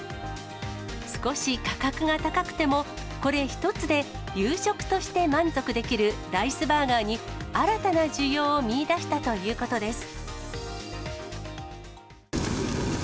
少し価格が高くても、これ一つで夕食として満足できるライスバーガーに新たな需要を見いだしたということです。